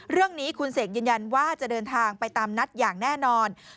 เรื่องนี้คุณเสกยืนยันว่าจะเดินทางไปตามนัดอย่างแน่นอน